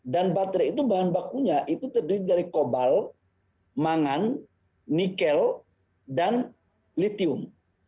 dan baterai itu bahan bakunya itu terdiri dari kobal mangan nikel dan litium